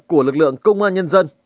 của lực lượng công an nhân dân